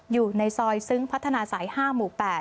อยู่ในซอยซึ้งพัฒนาสาย๕หมู่๘